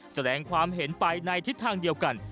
แสดงความเห็นไปในทิศทางเดียวกัน